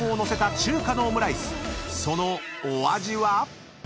そのお味は？］